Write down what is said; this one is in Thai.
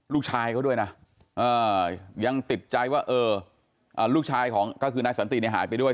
ลูกชายเขาด้วยนะยังติดใจว่าเออลูกชายของก็คือนายสันติเนี่ยหายไปด้วย